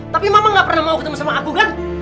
tapi mama gak pernah mau ketemu sama aku kan